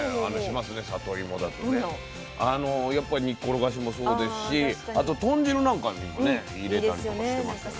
あのやっぱり煮っころがしもそうですしあと豚汁なんかにもね入れたりとかしてましたね。